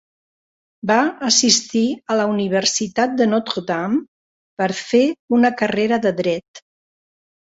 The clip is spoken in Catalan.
Va assistir a la Universitat de Notre Dame per fer una carrera de dret.